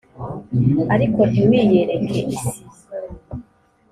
ariko ntiwiyereke isi